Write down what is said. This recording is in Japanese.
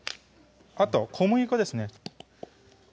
あと小麦粉ですね